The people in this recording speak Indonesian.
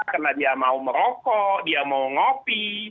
karena mereka mau merokok mau ngopi